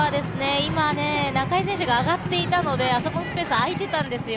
今、中井選手が上がっていたのであそこのスペース、あいていたんですよ。